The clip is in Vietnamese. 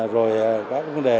rồi các vấn đề